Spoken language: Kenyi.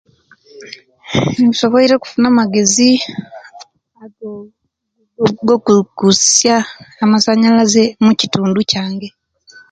Nsobwoire okufuna amagezi goku gokukusisya amasanyalaze omukitundu kyange